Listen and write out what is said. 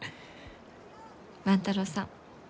万太郎さん